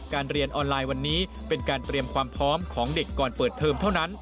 เรียนออนไลน์วันนี้เป็นการเตรียมความพร้อมของเด็กก่อนเปิดเทอมเท่านั้น